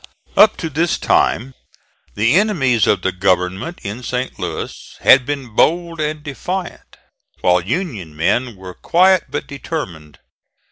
Up to this time the enemies of the government in St. Louis had been bold and defiant, while Union men were quiet but determined.